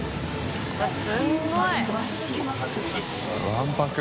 わんぱく。